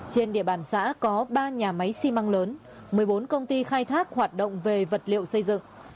trên địa bàn xã có ba nhà máy xi măng lớn một mươi bốn công ty khai thác hoạt động về vật liệu xây dựng